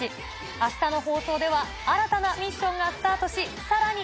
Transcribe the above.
明日の放送では新たなミッションがスタートしさらに